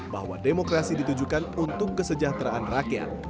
bahwa demokrasi ditujukan untuk kesejahteraan rakyat